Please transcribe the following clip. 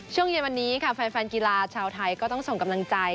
ช่วงเย็นวันนี้ค่ะแฟนกีฬาชาวไทยก็ต้องส่งกำลังใจ